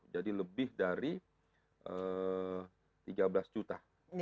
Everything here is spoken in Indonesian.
jadi lebih dari tiga belas tujuh juta